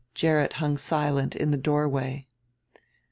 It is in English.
Gerrit hung silent in the doorway.